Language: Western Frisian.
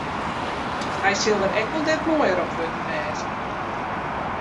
Hy sil der ek wol net moaier op wurden wêze.